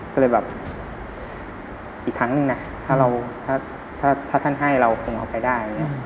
ก็เลยแบบอีกครั้งนึงนะถ้าท่านให้เราคงเอาไปได้